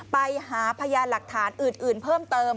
ไปหาพยานหลักฐานอื่นเพิ่มเติม